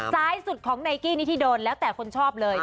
ซ้ายสุดของไนกี้นี่ที่โดนแล้วแต่คนชอบเลย